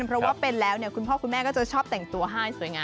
เพราะว่าเป็นแล้วเนี่ยคุณพ่อคุณแม่ก็จะชอบแต่งตัวให้สวยงาม